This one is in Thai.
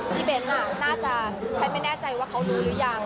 เบ้นน่าจะแพทย์ไม่แน่ใจว่าเขารู้หรือยัง